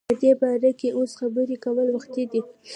په دی باره کی اوس خبری کول وختی دی